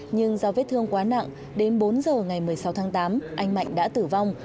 nhưng do vết thương quá nặng đến bốn giờ ngày một mươi sáu tháng tám anh mạnh đã tử vong